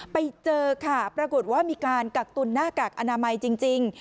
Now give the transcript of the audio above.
ไปเจอค่ะปรากฏว่ามีการกักตุนหน้ากากอนามัยจริง